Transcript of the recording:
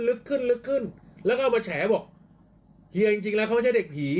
ลึกขึ้นลึกขึ้นแล้วก็เอามาแฉบอกเฮียจริงจริงแล้วเขาไม่ใช่เด็กผี